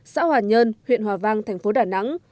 xã hòa nhơn huyện hòa vang thành phố đà nẵng